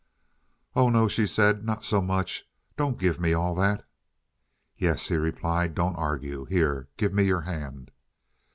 "Oh no," she said. "Not so much. Don't give me all that." "Yes," he replied. "Don't argue. Here. Give me your hand."